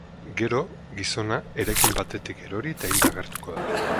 Gero, gizona eraikin batetik erori eta hilda agertuko da.